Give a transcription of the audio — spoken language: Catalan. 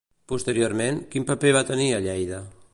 Posteriorment, quin paper va tenir a Lleida?